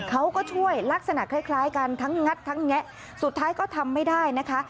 เขาก็ช่วยลักษณะคล้ายกันทั้งงัดทั้งแงะสุดท้ายก็ทำไม่ได้นะคะ